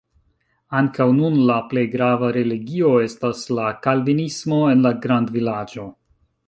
Ankaŭ nun la plej grava religio estas la kalvinismo en la grandvilaĝo.